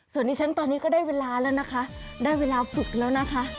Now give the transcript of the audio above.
ส่วนที่ฉันตอนนี้ก็ได้เวลาแล้วนะคะได้เวลาฝึกแล้วนะคะ